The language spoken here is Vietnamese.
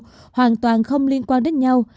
các đợt bùng phát đều không liên quan đến nhau